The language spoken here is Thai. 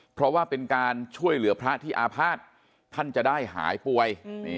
เพราะว่าเป็นการช่วยเหลือพระที่อาภาษณ์ท่านจะได้หายป่วย